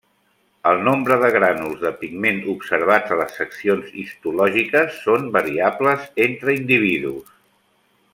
El nombre de grànuls de pigment observats a les seccions histològiques són variables entre individus.